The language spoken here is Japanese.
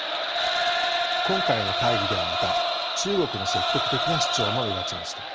今回の会議ではまた中国の積極的な主張も目立ちました。